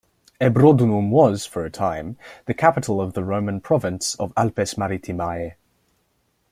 Ebrodunum was, for a time, the capital of the Roman province of "Alpes Maritimae".